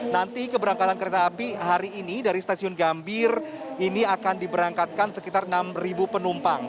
nanti keberangkatan kereta api hari ini dari stasiun gambir ini akan diberangkatkan sekitar enam penumpang